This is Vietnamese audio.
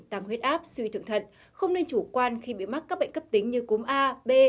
tăng huyết áp suy thượng thận không nên chủ quan khi bị mắc các bệnh cấp tính như cúm a b